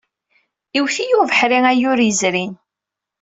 Iwet-iyi ubeḥri ayyur yezrin.